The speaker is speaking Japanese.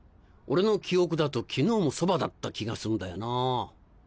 俺の記憶だと昨日もそばだった気がすんだよなぁ。